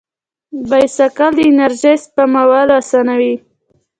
بایسکل د انرژۍ سپمول اسانوي.